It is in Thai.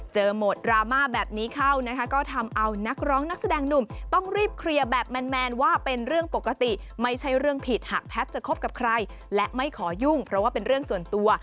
โหมดดราม่าแบบนี้เข้านะคะก็ทำเอานักร้องนักแสดงหนุ่มต้องรีบเคลียร์แบบแมนว่าเป็นเรื่องปกติไม่ใช่เรื่องผิดหากแพทย์จะคบกับใครและไม่ขอยุ่งเพราะว่าเป็นเรื่องส่วนตัว